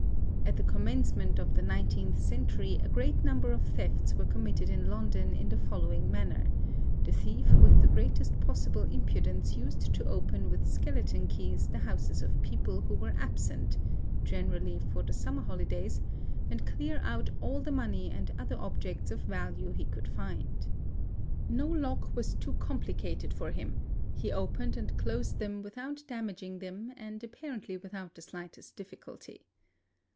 At the commencement of the nine teenth century a great number of thefts were committed in London in the following manner—the thief with the greatest possible impudence used to open' with skeleton keys the houses of people who were absent — (generally for the summer holidays) and clear out all the money and ~ other objects of value he could find. No lock was too complicated for him, he opened and closed them without damaging them and apparently without the slightest difficulty.